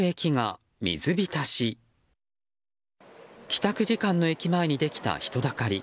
帰宅時間の駅前にできた人だかり。